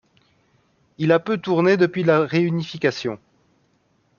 Il a peu tourné depuis la Réunification.